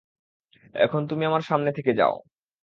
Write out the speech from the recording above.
এখন তুমি আমার সামনে থেকে যাও।